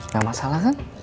gak masalah kan